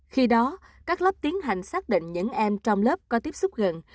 khi đó các lớp tiến hành xác định những em trong lớp có tiếp xúc gần